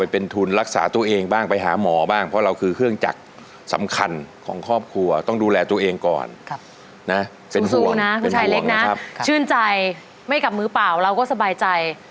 เป็นห่วงนะครับชื่นใจไม่กลับมือเปล่าเราก็สบายใจ